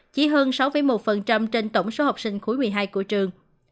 chỉ hơn sáu một trên tổng số học sinh khối một mươi hai của trường